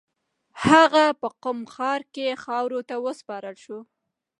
هغه په قم ښار کې خاورو ته وسپارل شو.